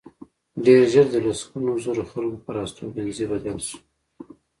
ډېر ژر د لسګونو زرو خلکو پر استوګنځي بدل شو